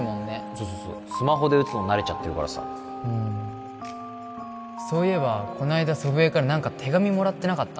そうそうそうスマホで打つのに慣れちゃってるからさそういえばこの間祖父江から何か手紙もらってなかった？